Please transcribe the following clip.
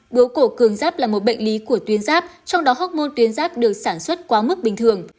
bướu cổ cường giáp là một bệnh lý của tuyến giáp trong đó hóc môn tuyến giáp được sản xuất quá mức bình thường